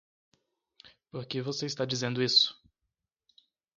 Por que você está dizendo isso?